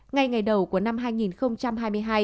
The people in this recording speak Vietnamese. ngay ngày đầu của năm hai nghìn hai mươi hai